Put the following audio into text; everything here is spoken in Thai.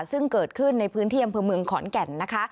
ซึ่งเกิดขึ้นในพื้นเทียมเมืองขอนแก่นนะคะ